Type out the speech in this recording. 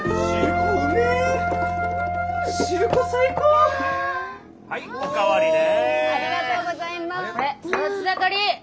育ち盛り！